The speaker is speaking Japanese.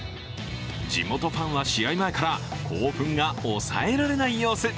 地元ファンは試合前から興奮が抑えられない様子。